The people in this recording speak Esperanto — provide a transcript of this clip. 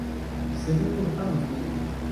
Se li nur amas min.